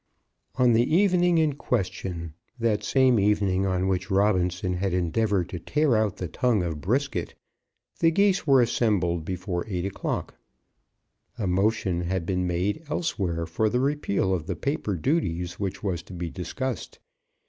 On the evening in question, that same evening on which Robinson had endeavoured to tear out the tongue of Brisket, the Geese were assembled before eight o'clock. A motion that had been made elsewhere for the repeal of the paper duties was to be discussed.